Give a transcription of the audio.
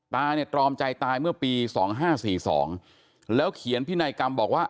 ตาเนี่ยตรอมใจตายเมื่อปี๒๕๔๒แล้วเขียนพินัยกรรมบอกว่า